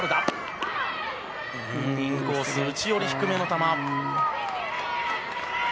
インコース、内寄り低めの球。